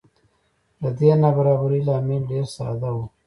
د دې نابرابرۍ لامل ډېر ساده و